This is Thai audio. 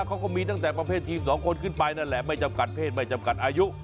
เขาก็มีตั้งแต่ประเภททีมสองคนขึ้นไปนั่นแหละไม่จำกัดเพศไม่จำกัดอายุ